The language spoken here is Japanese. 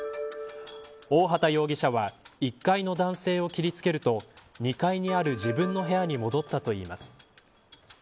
大畑容疑者は１階の男性を切りつけると２階にある自分の部屋に戻ったといいます。